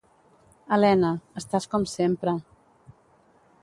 Elena, estàs com sempre...